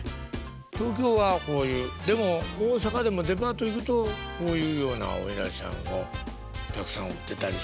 東京はこういうでも大阪でもデパート行くとこういうようなおいなりさんをたくさん売ってたり。